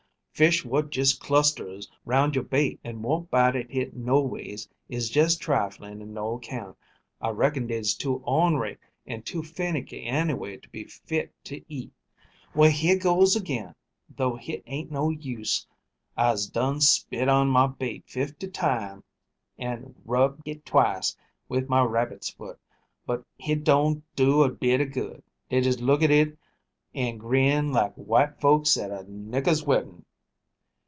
Fish what just clusterers 'round youah bait an' won't bite at hit noways is jest trifling and noaccount. I reckon dey's too ornery an' too finiky anyway to be fit to eat. Well, here goes again, though hit ain't no use. I'se dun spit on mah bait fifty times, an' rubbed hit twice with my rabbit's foot, but hit doan' do a bit of good. Dey jes' look at hit an' grin like white folks at a nigger's wedding."